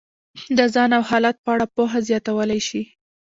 د ځان او حالت په اړه پوهه زیاتولی شي.